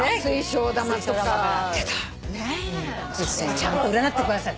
ちゃんと占ってくださる。